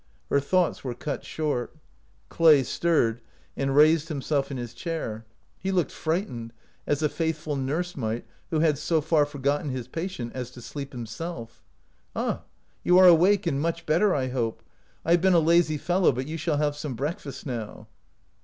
Her thoughts were cut short. Clay stirred, and raised himself in his 171 OUT OF BOHEMIA chair. He looked frightened, as a faithful nurse might, who had so far forgotten his patient as to sleep himself. " Ah, you are awake, and much better, I hope. I have been a lazy fellow, but you shall have some breakfast now."